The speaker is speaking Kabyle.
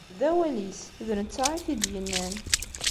D awal-is, d netta i t-id-yennan.